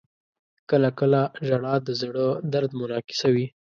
• کله کله ژړا د زړه درد منعکسوي.